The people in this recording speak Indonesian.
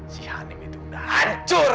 si hanim itu udah hancur